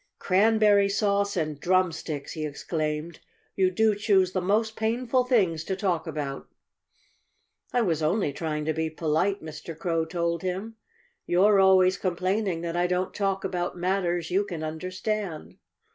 "Cranberry sauce and drumsticks!" he exclaimed. "You do choose the most painful things to talk about." "I was only trying to be polite," Mr. Crow told him. "You're always complaining that I don't talk about matters you can understand."